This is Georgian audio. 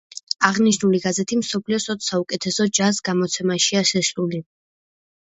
აღნიშნული გაზეთი მსოფლიოს ოც საუკეთესო ჯაზ გამოცემაშია შესული.